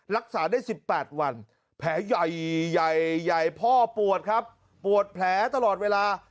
รักษาได้๑๘วันแผลใหญ่ใหญ่พ่อปวดครับปวดแผลตลอดเวลา